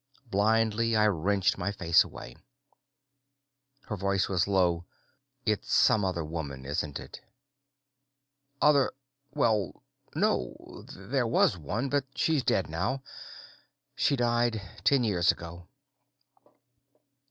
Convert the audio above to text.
Blindly, I wrenched my face away. Her voice was low. "It's some other woman, isn't it?" "Other ? Well, no. There was one, but she's dead now. She died ten years ago."